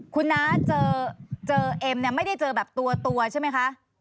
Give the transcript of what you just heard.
คุณน้าเจอเอ็มเนี่ยไม่ได้เจอแบบตัวใช่ไหมคะ